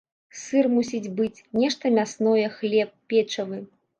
Сыр мусіць быць, нешта мясное, хлеб, печыва.